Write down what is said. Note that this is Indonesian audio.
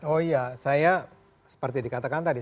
oh iya saya seperti dikatakan tadi